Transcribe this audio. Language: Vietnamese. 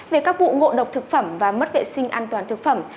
về các vụ ngộ độc thực phẩm và mất vệ sinh an toàn thực phẩm